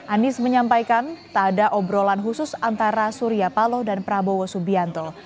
anies menyampaikan tak ada obrolan khusus antara surya paloh dan prabowo subianto